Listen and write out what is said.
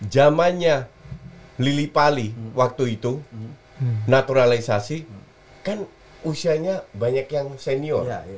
zamannya lili pali waktu itu naturalisasi kan usianya banyak yang senior